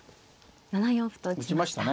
７四歩と打ちました。